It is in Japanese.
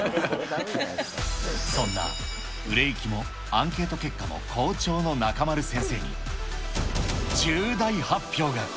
そんな売れ行きもアンケート結果も好調の中丸先生に、重大発表が。